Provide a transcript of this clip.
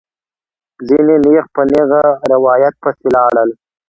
ځینې نېغ په نېغه روایت پسې لاړل.